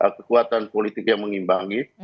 kekuatan politik yang mengimbangi